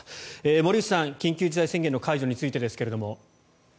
森内さん、緊急事態宣言の解除についてですけれども。